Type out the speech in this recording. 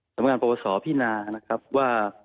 คณะกรรมการปวโศภี้นาว่า